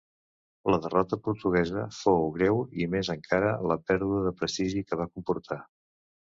La derrota portuguesa fou greu i més encara la pèrdua de prestigi que va comportar.